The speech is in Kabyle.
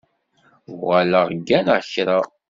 Uɣaleɣ gganeɣ kra.